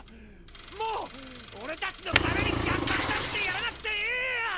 もう俺たちのために虐殺なんてやらなくていい！！